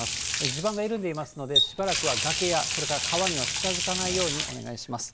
地盤が緩んでいますので、しばらくは崖や、それから川には近づかないようにお願いします。